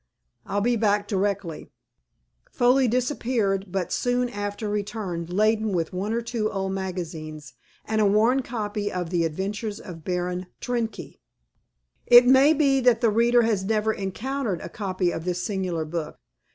I'll be back directly." Foley disappeared, but soon after returned, laden with one or two old magazines, and a worn copy of the "Adventures of Baron Trenck." It may be that the reader has never encountered a copy of this singular book.